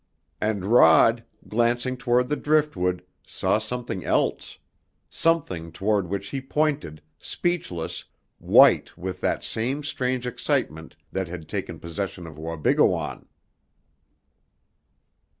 And Rod, glancing toward the driftwood, saw something else, something toward which he pointed, speechless, white with that same strange excitement that had taken possession of Wabigoon!